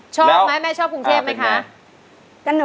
ชอบไหมแม่ชอบกรุงเชฟไหมคะแล้วเป็นยังไง